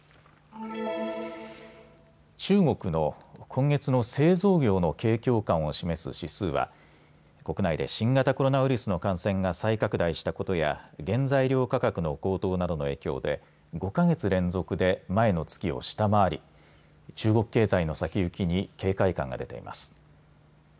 中国の今月の製造業の景況感を示す指数は国内で新型コロナウイルスの感染が再拡大したことや原材料価格の高騰などの影響で５か月連続で前の月を下回り中国経済の先行きに警戒感が出ています。